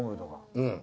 うん。